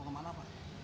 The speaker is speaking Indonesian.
mau ke mana pak